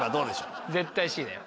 絶対Ｃだよ。